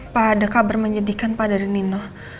pa ada kabar menjadikan pa dari nino